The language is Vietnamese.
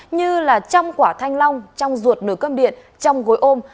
như trong quả thanh long trong ruột nửa cơm điện trong gối ôm